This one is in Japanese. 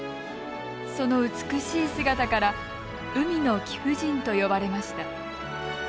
その美しい姿から海の貴婦人と呼ばれました。